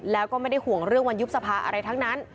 แล้วก็ไม่ได้ห่วงเรื่องวันยุบสภาอะไรทั้งนั้น